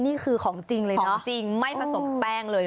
นี่คือของจริงเลยนะจริงไม่ผสมแป้งเลย